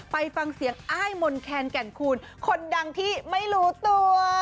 ไปฟังเสียงอ้ายมนแคนแก่นคูณคนดังที่ไม่รู้ตัว